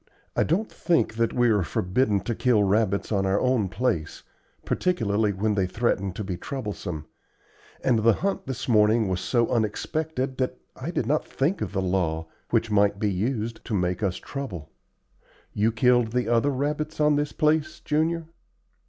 I don't think that we are forbidden to kill rabbits on our own place, particularly when they threaten to be troublesome; and the hunt this morning was so unexpected that I did not think of the law, which might be used to make us trouble. You killed the other rabbits on this place, Junior?"